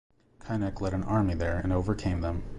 Cainnech led an army there and overcame them.